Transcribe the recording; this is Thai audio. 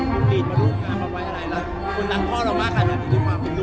และคนรักพ่อเรามาฐาณนี้